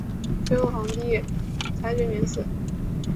最后皇帝裁决免死。